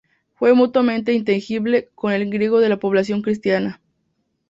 Fue mutuamente inteligible con el griego de la población cristiana.